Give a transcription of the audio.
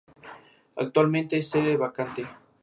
Actualmente es sede vacante.